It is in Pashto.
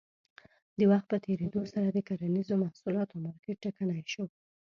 د وخت په تېرېدو سره د کرنیزو محصولاتو مارکېټ ټکنی شو.